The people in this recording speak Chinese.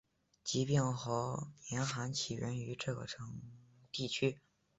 疾病和严寒起源于这个地区。